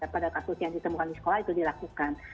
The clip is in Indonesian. pada kasus yang ditemukan di sekolah itu dilakukan